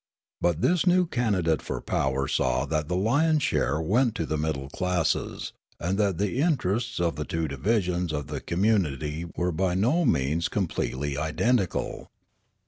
But this new candidate for power saw that the lion's share went to the middle classes and that the interests of the two divisions of the community were by no means com pletely identical.